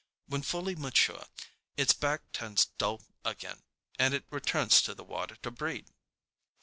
When fully mature, its back turns dull again, and it returns to the water to breed.